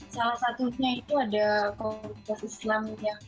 salah satunya itu ada komunitas islam ya